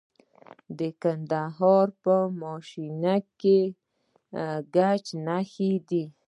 د کندهار په میانشین کې د ګچ نښې شته.